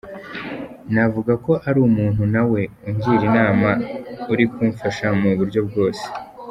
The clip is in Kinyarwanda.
Navuga ko ari umuntu nawe ungira inama uri kumfasha mu buryo bwose.